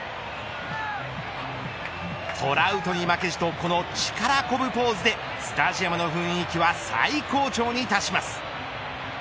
トラウトに負けじとこの力こぶポーズでスタジアムの雰囲気は最高潮に達します。